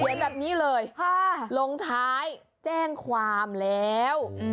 แบบนี้เลยลงท้ายแจ้งความแล้ว